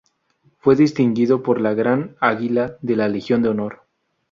Fue distinguido con la Gran Águila de la Legión de Honor.